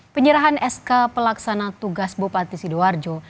penyerahan sk pelaksana tugas bupati sidoarjo